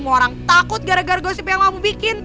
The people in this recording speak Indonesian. maaf ma rafa gak sengaja